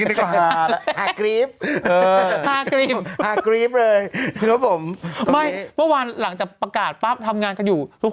แต่ถ้างวดหน้ามันออกยังไงอีก